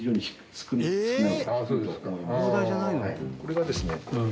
これがですね